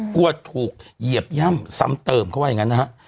กลัวถูกเหยียบย่ำซ้ำเติมเขาว่าอย่างนั้นนะฮะ